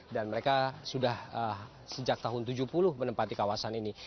dan mereka sudah sejak tahun tujuh puluh menempati kawasan ini